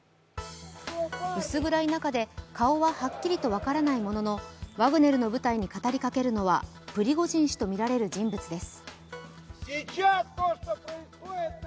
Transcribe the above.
薄暗い中で顔ははっきりと分からないものの、ワグネルの部隊に語りかけるのはプリゴジン氏とみられる人物です。